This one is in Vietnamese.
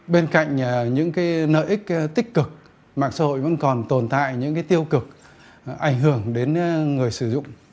bên cạnh những nợ ích tích cực mạng xã hội vẫn còn tồn tại những tiêu cực ảnh hưởng đến người sử dụng